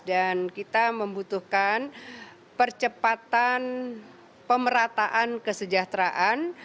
dan kita membutuhkan percepatan pemerataan kesejahteraan